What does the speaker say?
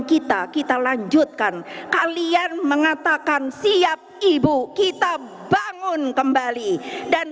kita kita lanjutkan kalian mengatakan siap ibu kita bangun kembali dan